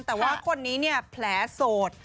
แต่ว่าคนนี้เนี่ยแผลโสด